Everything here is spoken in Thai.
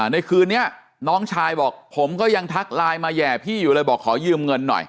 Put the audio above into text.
ในคืนนี้น้องชายบอกผมก็ยังทักไลน์มาแห่พี่อยู่เลยบอกขอยืมเงินหน่อย